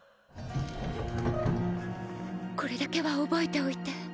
これだけは覚えておいて